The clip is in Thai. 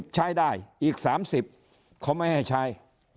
ใช้ได้อีก๓๐เขาไม่ให้ใช้